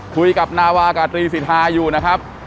คุยกับนาวากาตรีสิทธาอยู่นะครับ